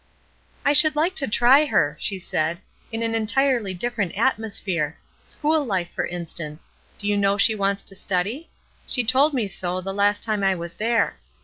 "I shoidd like to try her," she said, "in an entirely different atmosphere. School life, for instance, — do you know she wants to study ? She told me so, the last time I was there.